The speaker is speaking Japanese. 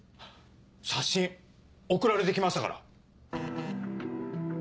写真送られて来ましたから。